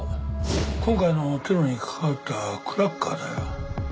今回のテロに関わったクラッカーだよ。